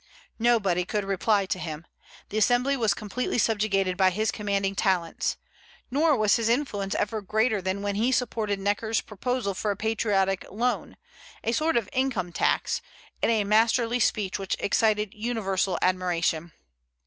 Nobody could reply to him. The Assembly was completely subjugated by his commanding talents. Nor was his influence ever greater than when he supported Necker's proposal for a patriotic loan, a sort of income tax, in a masterly speech which excited universal admiration.